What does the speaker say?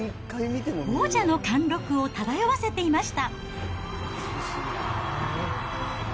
王者の貫禄を漂わせていました。